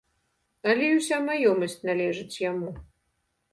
Але і ўся маёмасць належыць яму.